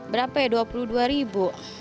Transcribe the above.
berapa ya rp dua puluh dua